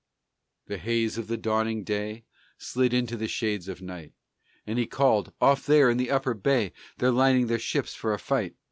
The haze of the dawning day Slid into the shades of night, And he called: "Off there in the upper bay, They're lining their ships for a fight.